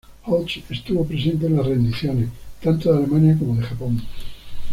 Hodges estuvo presente en las rendiciones tanto de Alemania como de Japón.